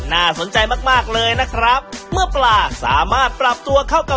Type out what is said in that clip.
น่าสนใจมากมากเลยนะครับเมื่อปลาสามารถปรับตัวเข้ากับ